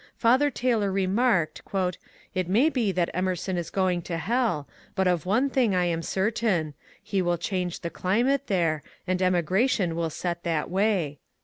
Father Taylor remarked, It may be that Emerson is going to hell, but of one thing I am certain : he will change the climate there, and emigration will set that way."